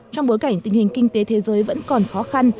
trong bối cảnh tình hình kinh tế thế giới vẫn còn khó khăn